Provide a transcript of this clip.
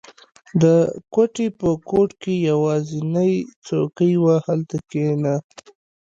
• د کوټې په ګوټ کې یوازینی څوکۍ وه، هلته کښېنه.